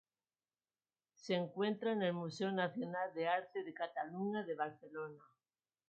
Se encuentra en el Museo Nacional de Arte de Cataluña de Barcelona.